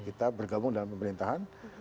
kita bergabung dalam pemerintahan